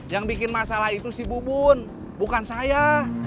yang bikin masalah itu si bubun bukan saya